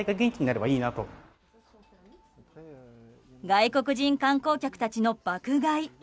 外国人観光客たちの爆買い。